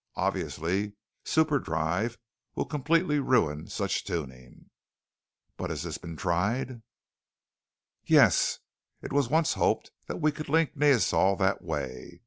Obviously, superdrive will completely ruin such tuning." "But this has been tried?" "Yes. It was once hoped that we could link to Neosol that way.